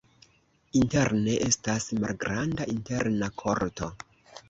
Interne estas malgranda interna korto.